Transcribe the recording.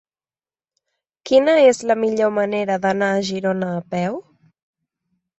Quina és la millor manera d'anar a Girona a peu?